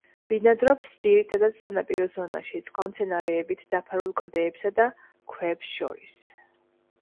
ბინადრობს ძირითადად სანაპირო ზონაში წყალმცენარეებით დაფარულ კლდეებსა და ქვებს შორის.